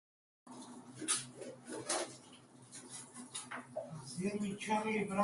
A continuación, realizó el posgrado en la Universidad de Oxford.